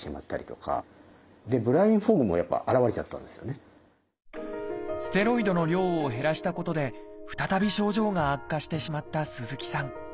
ところがステロイドの量を減らしたことで再び症状が悪化してしまった鈴木さん。